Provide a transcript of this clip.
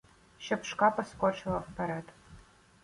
Щоб шкапа скочила вперед.